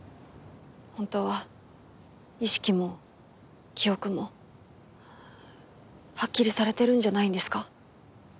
本当は意識も記憶もはっきりされてるんじゃないんですか？